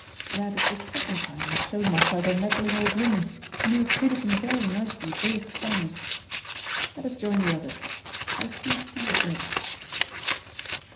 That is the second time I have shown myself a meddling old woman, and you have treated me very nicely both times. Let us join the others. I see tea is ready."